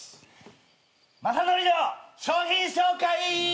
雅紀の商品紹介！